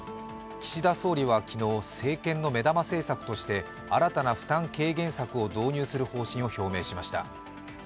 岸田総理は昨日、政権の目玉政策として新たな負担軽減策を導入する方針を表明しました。